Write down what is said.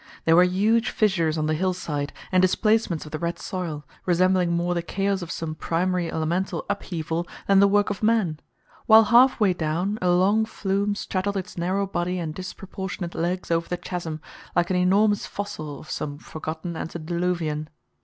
There were huge fissures on the hillside, and displacements of the red soil, resembling more the chaos of some primary elemental upheaval than the work of man; while halfway down, a long flume straddled its narrow body and disproportionate legs over the chasm, like an enormous fossil of some forgotten antediluvian.